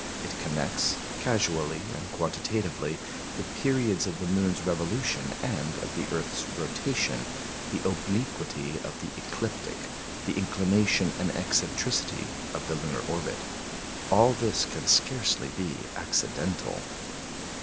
It connects, casually and quantitatively, the periods of the moon's revolution and of the earth's rotation, the obliquity of the ecliptic, the inclination and eccentricity of the lunar orbit. All this can scarcely be accidental.